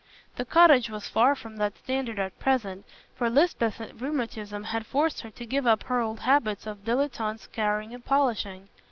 The cottage was far from that standard at present, for Lisbeth's rheumatism had forced her to give up her old habits of dilettante scouring and polishing.